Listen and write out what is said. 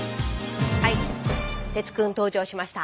はい鉄くん登場しました。